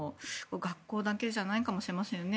学校だけじゃないかもしれませんよね。